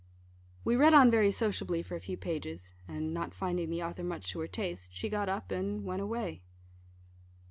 We read on very sociably for a few pages; and, not finding the author much to her taste, she got up, and went away.